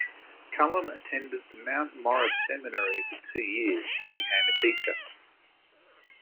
Cullom attended the Mount Morris Seminary for two years and became a teacher.